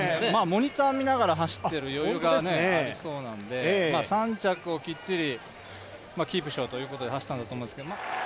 モニター見ながら走っている余裕がありそうなんで３着をきっちりキープしようということで走ったんだと思います。